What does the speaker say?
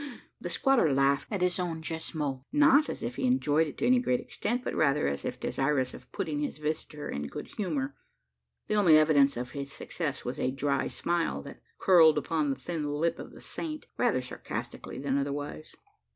The squatter laughed at his own jest mot as if he enjoyed it to any great extent, but rather as if desirous of putting his visitor in good humour. The only evidence of his success was a dry smile, that curled upon the thin lip of the saint, rather sarcastically than otherwise.